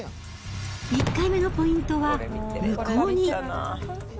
１回目のポイントは無効に。